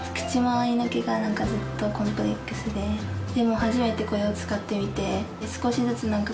でも初めてこれを使ってみて。